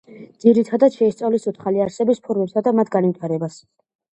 ძირითადად შეისწავლის ცოცხალი არსებების ფორმებსა და მათ განვითარებას.